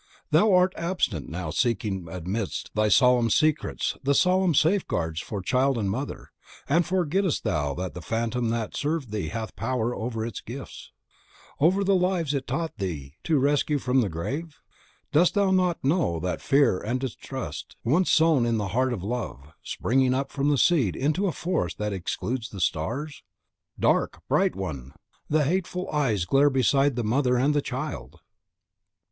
Art thou absent now seeking amidst thy solemn secrets the solemn safeguards for child and mother, and forgettest thou that the phantom that served thee hath power over its own gifts, over the lives it taught thee to rescue from the grave? Dost thou not know that Fear and Distrust, once sown in the heart of Love, spring up from the seed into a forest that excludes the stars? Dark, bright one! the hateful eyes glare beside the mother and the child!